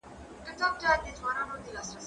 زه پرون سپينکۍ مينځلې!.